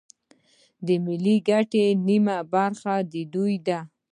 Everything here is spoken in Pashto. په ملي ګټو کې نیمه برخه د دوی ده